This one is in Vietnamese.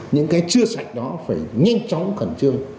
những cái chưa sạch đó phải nhanh chóng khẩn trương